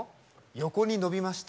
横に伸びました。